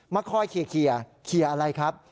มาคอยเคลียร์เคลียร์อะไรครับ